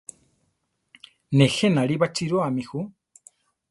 Nejé nari baʼchirúami ju.